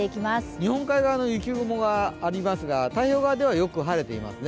日本海側の雪雲がありますが、太平洋側ではよく晴れていますね。